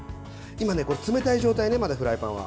冷たい状態ね、まだフライパンは。